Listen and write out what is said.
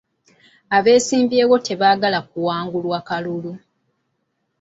Abesimbyewo tebaagala kuwangulwa kalulu.